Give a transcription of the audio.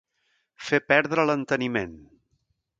Fer perdre l'enteniment.